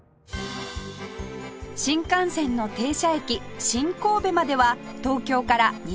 新幹線の停車駅新神戸までは東京から２時間４０分